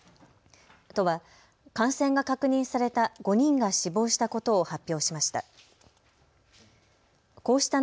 都は感染が確認された５人が死亡したことを発表しました。